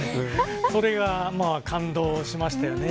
それが感動しました。